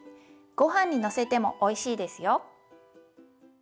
ごはんにのせてもおいしいですよ。